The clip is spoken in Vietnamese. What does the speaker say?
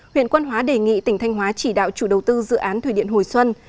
huyện quan hóa đề nghị tỉnh thanh hóa chỉ đạo chủ đầu tư dự án thủy điện hồi xuân